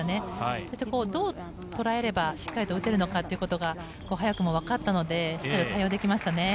そして、どう捉えればしっかりと打てるのかが早くも分かったのですぐ対応できましたね。